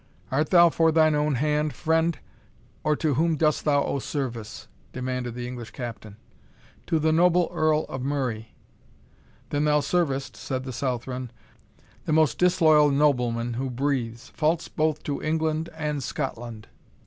"Art thou for thine own hand, friend, or to whom dost thou owe service?" demanded the English Captain. "To the noble Earl of Murray." "Then thou servest," said the Southron, "the most disloyal nobleman who breathes false both to England and Scotland."